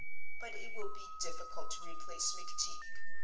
But it will be difficult to replace McTeague.